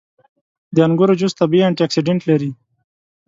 • د انګورو جوس طبیعي انټياکسیدنټ لري.